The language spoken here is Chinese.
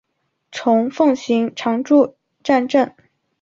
虫奉行常住战阵！